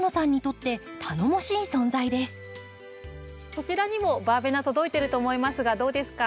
そちらにもバーベナ届いてると思いますがどうですか？